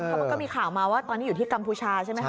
เพราะมันก็มีข่าวมาว่าตอนนี้อยู่ที่กัมพูชาใช่ไหมคะ